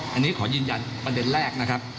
อันนี้ขอยืนยันประเด็นแรกนะครับ